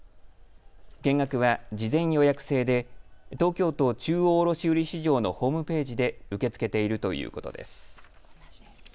見学は事前予約制で東京都中央卸売市場のホームページで受け付けているということです。